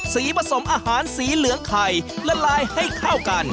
ผสมอาหารสีเหลืองไข่ละลายให้เข้ากัน